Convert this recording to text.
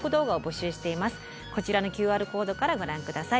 こちらのＱＲコードからご覧下さい。